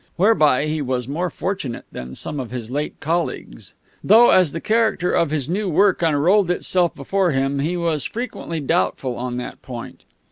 Whereby he was more fortunate than some of his late colleagues; though, as the character of his new work unrolled itself before him, he was frequently doubtful on that point.